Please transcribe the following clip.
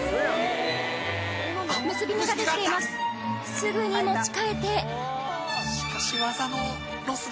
すぐに持ち替えて。